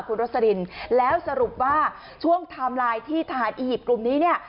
คุณรสดินแล้วสรุปว่าช่วงทำลายที่ทหารอีหิบกลุ่มนี้เนี่ย